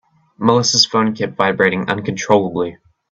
Melissa's phone kept vibrating uncontrollably.